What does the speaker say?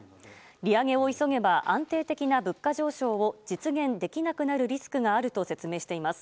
利上げを急げば安定的な物価上昇を実現できなくなるリスクがあると説明しています。